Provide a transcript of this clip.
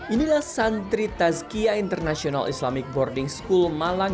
inilah santri tazkia international islamic boarding school malang